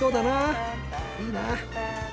いいなあ。